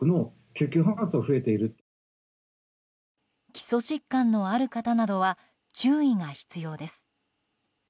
基礎疾患のある方などは注意が必要です。